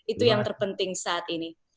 itu yang terpenting saat ini